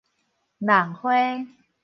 弄花